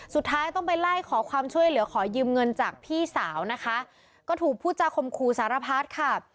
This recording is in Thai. สุดท้ายต้องไปไล่ขอความช่วยเหลือขอยืมเงินจากพี่สาวนะคะก็ถูกผู้จาคมคู่สารพัดค่ะ